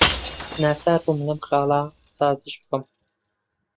ناچار بووم لەم خاڵە سازش بکەم.